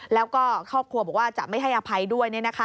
แล้วก็ครอบครัวบอกว่าจะไม่ให้อภัยด้วย